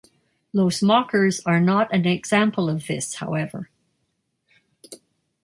Los Mockers are not an example of this, however.